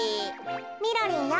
みろりんよ。